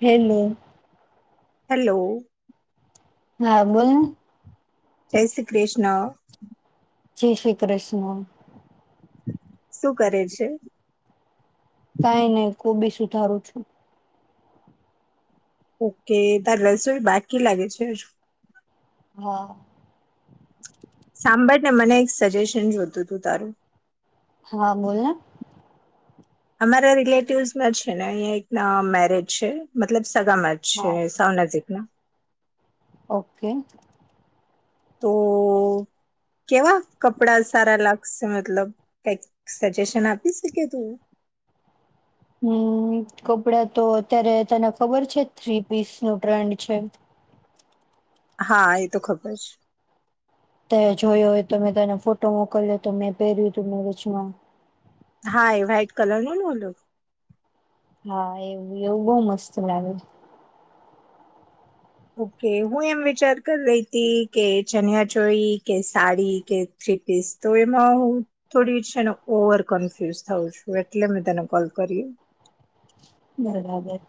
Hello. Hello. હા બોલને. જય શ્રી કૃષ્ણ. જય શ્રી કૃષ્ણ. શું કરે છે? કાઈ નહી. ગુબી સુધારું છું. ઓકે તાર રસોઈ બાકી લાગે છે હજું. હા. સાંભળને મને એક સજેશન જોતું તું તારું. હા બોલને. અમારા રિલેટિવસમાં છે ને એક અહ મેરેજ છે. મતલબ સગાામાં જ છે હા સાવ નજીક ના. ઓકે. તો કેવા કપડા સારા લાગશે, મતલબ કાઈક સજેશન આપી શકે કે તું? હમ્મ કપડા તો અત્યારે તને ખબર છે થ્રી પીસ નું ટ્રેન્ડ છે? હા એ તો ખબર છે. તે જોયો હોય તો મેં તને ફોટો મોકલ્યો તો મેં પહેર્યું તું મેં વચમાં. હા એ વાઇટ કલર નો ને ઓલો હા એવું-એવું બહું મસ્ત લાગે છે. ઓકે હું એમ વિચાર કરી રહી હતી કે ચનિયાચોળી, કે સાડી, કે થ્રી પીસ તો એમાં હું થોડી છે ને ઓવર કન્ફ્યુઝ થઉ છું, એટલે મેં તને કોલ કર્યો. બરાબર.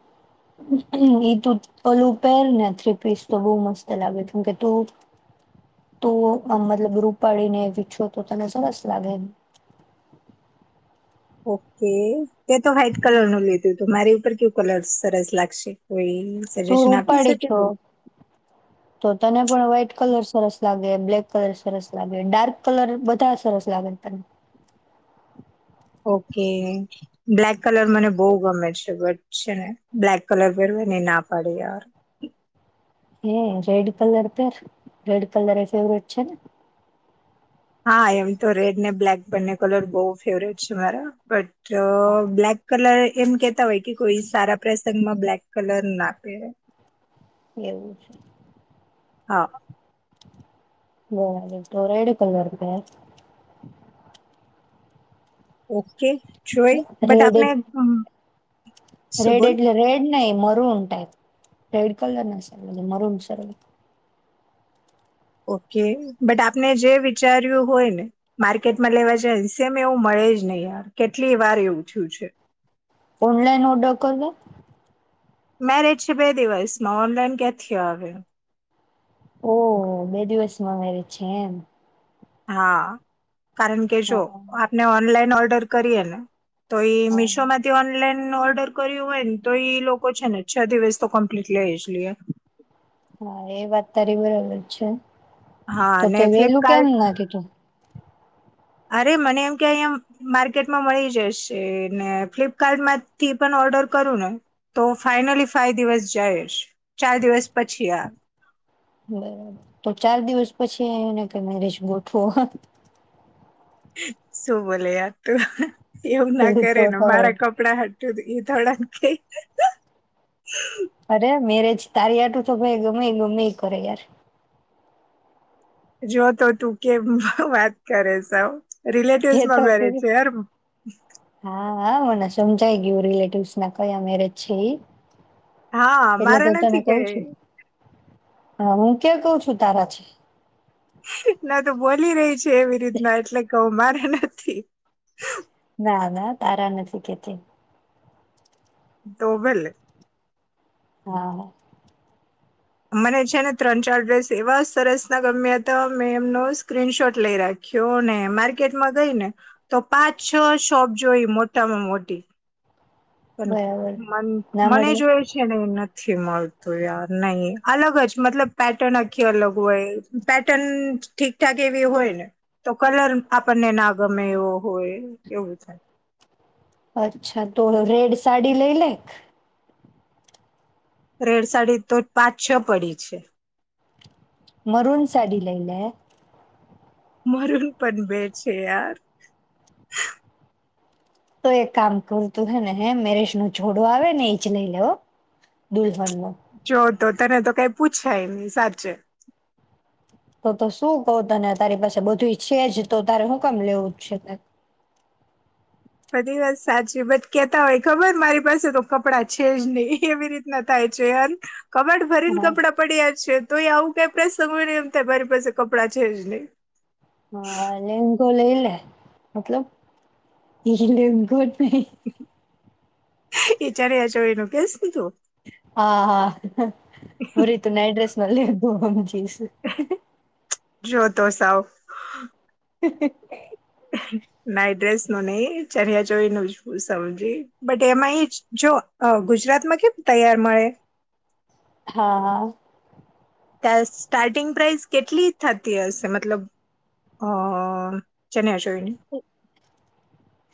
એ તું ઓલુ પહેર ને થ્રી પીસ તો બહું મસ્ત લાગે, કેમકે તું તું આમ મતલબ રૂપાડીને એવી છો તો તને સરસ લાગે એમ. ઓકે. તે તો વ્હાઈટ કલર નું લીધું તું મારી ઉપર કયું કલર સરસ લાગશે? કોઈ બી તું સજેશન આપી રૂપાળી શકે છો તું? તો તને પણ વ્હાઈટ કલર સરસ લાગે, બ્લેક કલર સરસ લાગે, ડાર્ક કલર બધા સરસ લાગે તને. ઓકે બ્લેક કલર મને બહ ગમે છે બટ છે ને બ્લેક કલર પહેરવાને ના પાડીેાર હ રેડ કલર પે રેડ કલર એ ફેવરેટ છે ને હા એમ તો રેડ ને બ્લેક બંને કલર બહ ફેવરેટ છે મારા તો બ્લાક કલર એમ કેતા હોય કે કોઈ સારા પ્રસંગ માં બ્લેક કલર ના આપે એવું છે હ, બોરડ તો રાયડુ કલાર ત ઓકે, જોઈ પેર બટ રેડ આપને એટ હમ્મ, રેડ એટલે રેડ, નહી મરુન ટાઈપ. રેડ કલરના સે મરુન સે ઓકે, બટ આપને જે વિચાર્યું હોય, ને માર્કેટમાં લેવા જાય સેમ એવું મળે જ નહી, યાર કેટલી વાર એવું થયું છે. ઓનલાઈન ઓર્ડર કરને, મેરેજ છે. બે દિવસમાં ઓનલાઈન ક્યાથી આવે. ઓહ, બે દિવસમાં મેરેજ છે. એમ, હા, કારણ કે જો હા આપને ઓનલાઈન, એને ઓર્ડર કરયેને તો એ હા મીશોમાંથી ઓનલાઈન એને ઓર્ડર કર્યું હોય, ને તો ઈ લોકો છે, ને છ દિવસ તો કમ્પ્લીટ લય જ લીયે. હા, એ વાત તારી બરાબર જ છે. હા તો અને તે વેલું કેમ ફ્લિપકાર્ટ ના કીધું. અરે મને એમ કે અહીંયા માર્કેટમાં મળી જશે. ને ફ્લિપકાર્ટમાંથી પણ ઓર્ડર કરું, ને તો ફાઈનલી ફાઇ દિવસ જાય જ, ચાર દિવસ પછી આ બરાબર. તો ચાર દિવસ પછી એને કઈ મેરેજ ગોઠવો. શું બોલે યાર તું. એવું ના પેલું તો કરેને થયો મારા કપડા, ઈ થોડા ને કે અરે મેરેજ તારી આટું તો મેં ગમે ગમે એ કરે યાર, જો તો તું કેમ વાત કરે સાવ, રિલેટિવસ જે માં તો કે મેરેજ છે એમ, હા હા, મને સમજાઈ ગયું રિલેટિવસના કયા મેરેજ છે. એ હ, મારે નથી કે, હ, હું કયા કઉ છું, તારા છે. તું બોલી રહી છે. કે એવી રીતના એટલે કઉ મારે નથી. ના ના તારા નથી કેતી, તો ભલે. હા. મને છે ને ત્રણ ચાર ડ્રેસ એવા સરસ ના ગમ્યા તા મેં એમનો સ્ક્રીનશોટ લઈ રાખ્યો, ને માર્કેટમાં ગઈ ને તો પાંચ છ શોપ જોઈ મોટામાં મોટી. પણ બરાબર મન ના મને મળ્યું જોય છે ને એ નથ થી મળતું યાર નહી અલગ જ મતલબ પેટર્ન આખી અલગ હોય, પેટર્ન ઠીકઠાક એવી હોયને, તો કલર આપણને ના ગમે એવો હોય એવું થાય. અચ્છા, તો રેડ સાડી લઈ લે એક. રેડ સાડી તો પાંચ છ પડી છે. મરૂન સાડી લઈ લે. મરૂન પણ બે છે યાર. તો એક કામ કર તું હે ને હે મેરેજ નો જોડો આવે ને ઈ જ લઈ લે હો. દુલ હનનો જો તો તને તો કાઈ પૂછાય ની સાચે. તો તો શું કહું તને તારી પાસે બધુંય છે જ તો તારે હું કામ લેવું છે એમ. બધી વાત સાચી બટ કેતા હોય ખબર મારી પાસે તો કપડાં છે જ નહી એવી રીતના થાય છે, યાર. કબાટ ભરીને હા કપડાં પડ્યા છે, તોય આવું [unintelligible] એમ થાય મારી પાસે કપડાં છે જ નહી. હા લેંઘો લઈલ લે મતલબ ઈ જે લેંઘો નહીં એચ આર એ [unintelligible] નો કેસ તું. હા, હા, હા ભૂરી તું નાઈ ડ્રેસ [unintelligible] ઇ શું. જોતો સાવ નાઈ ડ્રેસ નો નહી ચણીયા ચોળી નો [unintelligible] બટ એમાં એ જ જો અહ ગુજરાતમાં કેમ તૈયાર મળે હા, હા. ત્યાં સ્ટાર્ટિંગ પ્રાઇસ કેટલી થતી હશે મતલબ અહ ચણીયા ચો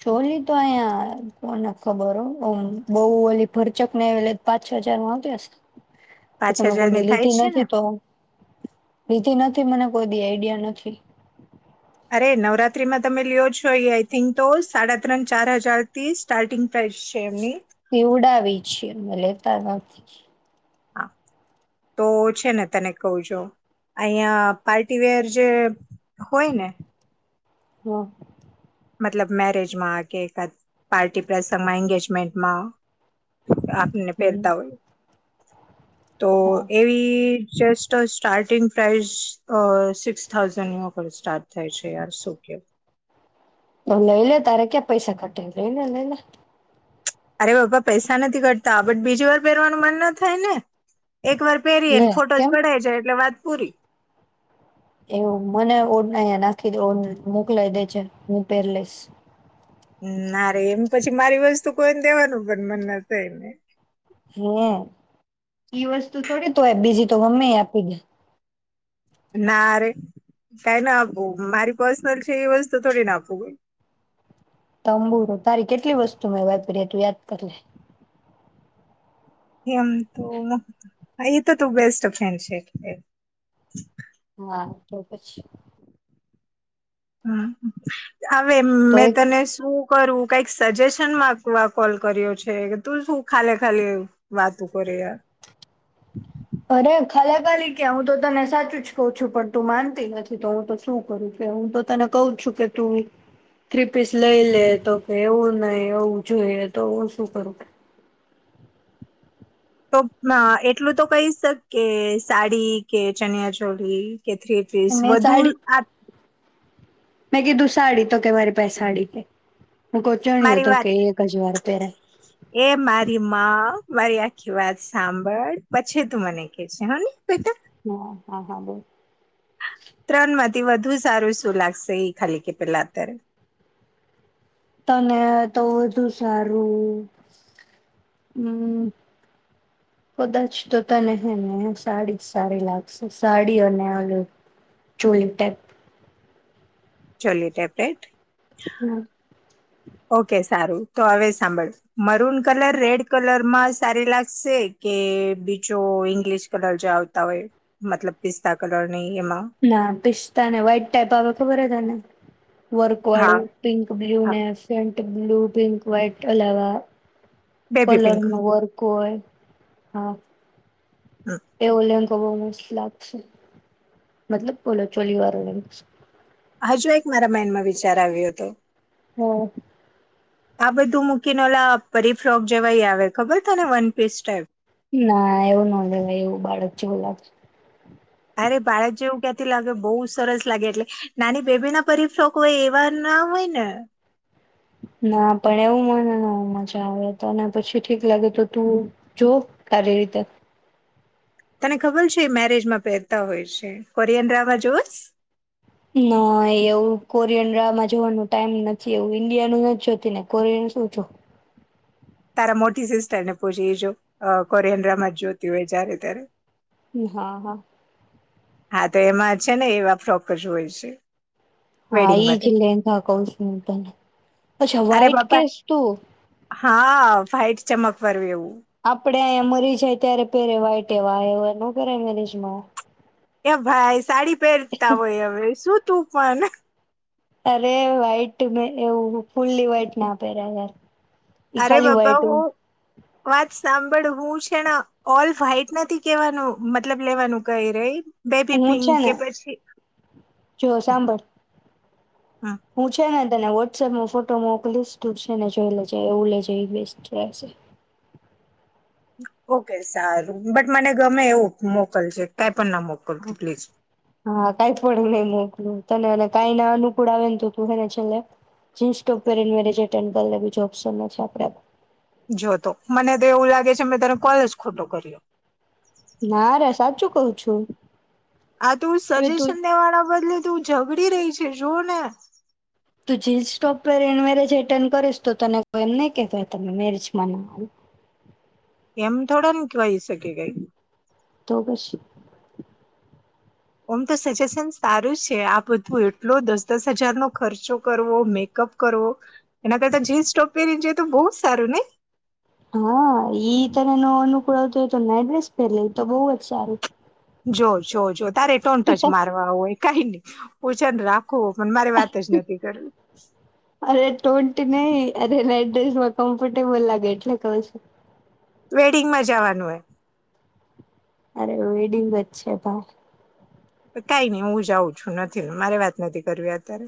ચોલી તો અહીંયા કોને ખબર હો, ઓમ બહુ ઓલી ભરચક ને એ લેતો પાંચ છ હજાર માં આવતી હશે. તો પાંચ તમે હજાર કોઈ ની દી થાય લીધી છે ને નથી તો, લીધી નથ થી મને કોઈ દી આઈડિયા નથી. અરે નવરાત્રીમાં તમે લ્યો છો એ આઈ થિંક તો સાડા ત્રણ ચાર હજાર થી સ્ટાર્ટિંગ પ્રાઇસ છે એમની તે ઉડાવી છે એટલે [unintelligible] હા તો છે ને તને કહું જો, અહીંયા પાર્ટીવેર જે હોય ને હા. મતલબ મેરેજમાં કે કા પાર્ટી પ્રસંગમાં, એંગેજમેન્ટમાં આપને હમ્મ પહેરતા હોય. તો હા એવી જસ્ટ સ્ટાર્ટીંગ પ્રાઇસ અહ સિક્સ થાઉઝન્ડની ઉપર સ્ટાર્ટ થાય છે, યાર શું કેવું. તો લઈ લે તારે ક્યાં પૈસા ઘટે, લઈ લે, લઈ લે. અરે બાપા પૈસા નથી ઘટતા, બટ બીજુંય વાર પહેરવાનું મન ન થાય ને. એક વાર પહેરીએ લે ને ફોટોઝ કેમ પડાઈ જાય એટલે વાત પૂરી. એવું મને ઓન અયા નાખી દે ઓન મોકલાય દે જે હું પેર લઈસ. ના રે એમ પછી મારી વસ્તુ કોઈને દેવાનું પણ મન ના થઈને. હે. ઈ વસ્તુ થોડી તોય બીજી તો ગમેય આપી દે. ના રે કઈ ના આપુ મારી પર્સનલ છે એ વસ્તુ થોડી ના આપું. તંબુરો તારી કેટલી વસ્તુ મેં વાપરી તું યાદ કરી લે. એમ તો એ તો ત બેસ્ટ ફ્રેન્ડ છે એટલે. હા તો પછી. હમ્મ. હવે તો મેં એક તને શું? કરું કઈક સજેશન માકવા કોલ કર્યો છે કે તું શું ખાલી ખાલી. વાતુ કરે આ. ખાલાકાાલી કે હું તો તને સાચું જ કઉ છું પણ તું માનતી નથી તો હું તો શું કરું કે હું તો તને કઉ છું કે તું થ્રી પીસ લઈ લે તો કે એવું નહી એવું જોઈએ તો હું શું કરું કે? ટૂંકમાં એટલું તો કહી શક કે સાડી કે ચનિયા ચોલી? કે થ્રી ત્રીસ મેં વધુ સાડી આ. મેં કીધું સાડી તો કે મારી પાહે સાડી નહીં. મારી વાત એ મારી માં. મારી આખી વાત સાંભળ પછી તું મને કે છે હને બેટા. હા હા હા બોલ. ત્રણ મ તે વધુ સારું શું લાગશે? એ ખાલી કે પેલા અત્યારે. તને તો વધુ સારું હમ કદાચ તો તને હેને સાડી જ સારી લાગશે સાડી અને choli type. [inaudible] Tablet type okay સારું તો હવે સાંભળ મરૂન કલર રેડ કલરમાં સારી લાગશે કે બીજો ઈંગ્લિશ કલર જો આવતા હોય મતલબ પિસ્તા કલર. ની એમાં ના પિસ્તા ને વ્હાઈટ ટાઈપ આવે ખબર હે તને? વર્ક હા વાળું, પિંક બ્લુ હા ને ફેન્ટ બ્લુ પિંક વાઈટ અલાવા બેબી કલર પિંક નું વર્ક હોય હા. એવો લે ગો બહું મસ્ત લાગશે, મતલબ ઓલો ચોલી વાળો એમ. હજુ એક મારા માઇન્ડમાં વિચાર આવ્યો હતો. હા. આ બધું મૂકીને ઓલા પરીફ્રોક જેવા આવે ખબર તને વનપીસ ટાઈપ ના એવું ન લેવાય એવું બાળક જેવું લાગે. અરે બાળક જેવું ક્યાંથી લાગે, બહુ સરસ લાગે એટલે નાની બેબી ના પરીફ્રોક હોય એવા ના હોય ને. ના પણ એવું મને નો મજા આવે, તને પછી જી ઠીક લાગે તો તું જો તારી રીતે. તને ખબર છે એ મેરેજમાં પહેરતા હોય છે, કોરિયન ડ્રામા જોવસ? ના એવું કોરિયન ડ્રામા જોવાનું ટાઈમ નથી એવું, ઈન્ડિયાનું નથ જોતી ને કોરિયનનું શું જોઉં. તારા મોટી સિસ્ટર ને પૂછી જો કોરિયન ડ્રામા જોતી હોય જ્યારે ત્યારે. હા, હા. હા તો એમાં છે ને એવા ફ્રોક જ હોય છે. હા વેડિંગ ઈ જ માટે લેંઘા કઉં છું હું તને, અચ્છા અરે વ્હાઈટ બાપા કેસ તું. ચમકવાળું એવું. આપડે અહીંયા મરી જાય ત્યારે પેરે વાઇટ એવા એવા નો પેરાય મેરેજમાં. એ ભાઈ સાડી પહેરતા હોય હવે શું તું પણ. અરે વ્હાઈટ મે એવું ફુલ્લી વ્હાઈટ ના પેર્યા યાર. એ અરે ખાલી બાબા વ્હાઈટ હોય હું વાત સાંભળ હું છેને ઓલ વ્હાઇટ નથી કેવાનું મતલબ લેવાનું કહી રહી. બેબી હું છે પિંક ને કે પછી જો સાંભળ. હમ હું છે ને. તને વોટ્સએપમાં ફોટો મોકલીશ તુ છે ને જોઈ લેજે એવું લેજે એ બેસ્ટ રહેશે. ઓકે સારું બટ મને ગમે એવું મોકલજે. પણ ના મોકલતી પ્લીઝ હા કઈ પડું નહી મોકલુ. તને અને કાંઈ અનુકૂળ આવે ને તું હેને છેલ્લે જીન્સ ટોપ પહેરીને મેરેજ અટટેન્ડ કરી લે બીજુ ઓપ્શનય છે આપડે. જોતો મને તો એવું લાગે છે મેં તને કોલજ ખોટો કર્યો. ના રે સાચું કઉ છું. આ તું હવે તું સજેશન દેવાના બદલે તું ઝઘડી રહી છે જોને તું જીન્સ ટોપ પેરી ને મેરેજ એટેન્ડ કરીશ તો તને કોઈ એમ નહી કે કે તમે મેરેજમાં ન આવો. એમ થોડાન કહી શકે કઈ. દોગશ. ઓમ તો સજેશન સારું છે આ બધું એટલો દસ દસ હજારનો ખર્ચો કરવો, મેકઅપ કરવો, એના કરતા જીન્સ ટોપ પહેરીને જોઈએ તો બહુ જ સારું નહી? હા ઈ તને નો અનુકૂળ આવતો હોય તો નાઈડ્રેસ પહેર લે ઈ તો બહુ જ સારું. જોર, જોર, જોર. તારે ટોન્ટ જ મારવા હોય. કાઈ નહી હું છેને રા [unintelligible] પણ મારે વાત જ નથી કરવી. અરે ટોન્ટ નહીં, અરે નાઈડ્રેસમાં કમ્ફર્ટેબલ લાગે એટલે કઉં છું. વેડિંગમાં જાવાનું હે અરે વેડિંગ જ છે ભાઈ. કાઈ નઈ હું જાઉં છું, નથી મારે વાત નથી કરવી અત્યારે.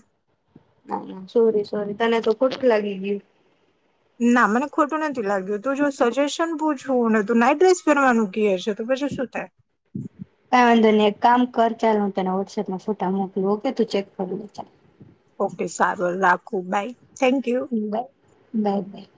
ના, ના સોરી સોરી તને તો ખોટું લાગી ગયું. ના મને ખોટું નથી લાગ્યું, તું જો સજેશન પૂછુંને તું નાઈટ ડ્રેસ પહેરવાનું ક્યે છે તો પછી શું થાય. કાઈ વાંધો નહીં એક કામ કર ચાલ હું તને વોટ્સએપમાં ફોટા મોકલું ઓકે તું ચેક કર લે ચાલ. ઓકે સારું રાખું bye. Thank you hmm bye, bye, by.